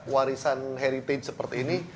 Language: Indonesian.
warisan heritage seperti ini